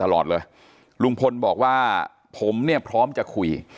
ลุงพลบอกว่าผมเนี่ยพร้อมจะคุย